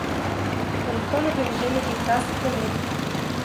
Antônio Virginio de Castro Penedo